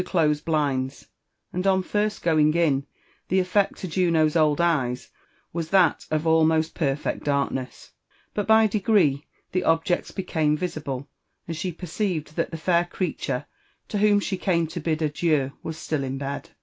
closed blinds, and on first going in, the effect to Juno's old eyes was that of almost perfect darkness ; but by degrees the objects became visible, and she perceived that the fair creature to whom she came to bid adieu was still in bed.